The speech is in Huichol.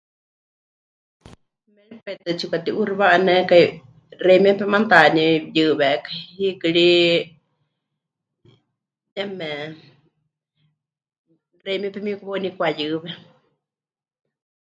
Méripai tɨ tsipɨkati'uuxiwa'anékai, xeimíe pemanutahaní pɨyɨwékai, hiikɨ ri yeme xeimíe pemikuwauní pɨkayɨwe.